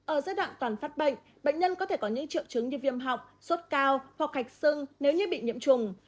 ở giai đoạn toàn phát bệnh bệnh nhân có thể có những triệu chứng như viêm họng sốt cao hoặc hạch sưng nếu như bị nhiễm trùng